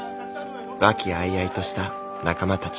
和気あいあいとした仲間たち。